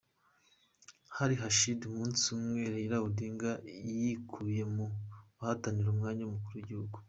Hari hashize umunsi umwe Raila Odinga yikuye mu bahatanira umwanya w’Umukuru w’Igihugu.